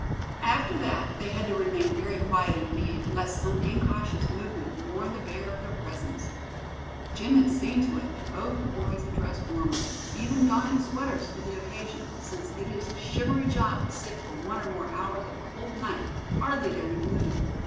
After that they had to remain very quiet indeed, lest some incautious movement warn the bear of their presence. Jim had seen to it that both the boys had dressed warmly, even donning sweaters for the occasion; since it is a shivery job to sit for one or more hours of a cold night, hardly daring to move.